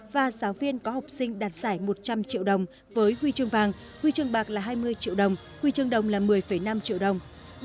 với huy chương vàng huy chương bạc là hai mươi triệu đồng huy chương đồng là một mươi năm triệu đồng